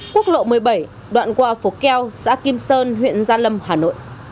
quốc lộ một mươi bảy đoạn qua phố keo xã kim sơn huyện gia lâm hà nội